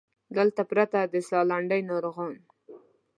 دلته پراته د سالنډۍ ناروغان